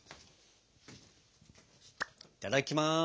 いただきます！